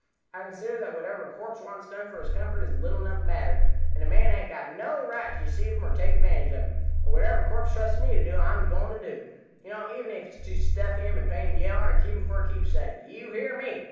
I consider that whatever a corpse wants done for his comfort is little enough matter, and a man hain't got no right to deceive him or take advantage of him; and whatever a corpse trusts me to do I'm a going to do, you know, even if it's to stuff him and paint him yaller and keep him for a keepsake you hear me!"